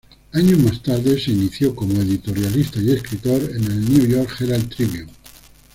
Años más tarde inició como editorialista y escritor en el "New York Herald Tribune".